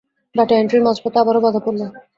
Data এন্ট্রির মাঝপথে আবারো বাধা পড়ল।